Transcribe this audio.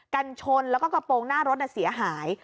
กันชนแล้วก็กระโปรงหน้ารถเสียหาย